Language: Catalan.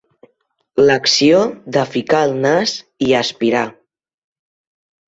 L'acció de ficar el nas i aspirar.